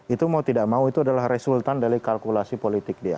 itu mau tidak mau itu adalah resultan dari kalkulasi politik dia